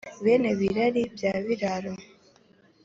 Bene Birari bya Biraro,